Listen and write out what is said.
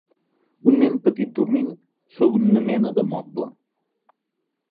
Un nen petit dormint sobre una mena de moble.